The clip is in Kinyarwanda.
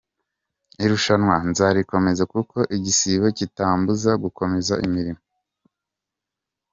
Irushanwa nzarikomeza kuko igisibo kitambuza gukomeza imirimo.